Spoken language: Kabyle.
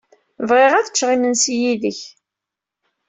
Bɣiɣ ad ččeɣ imensi yid-k.